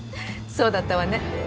そうだったわね。